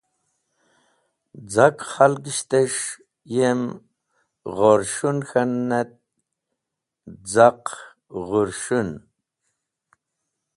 Z̃aq khalgishtes̃h ym ghors̃hũn k̃hanen et z̃aq ghũrs̃hũn.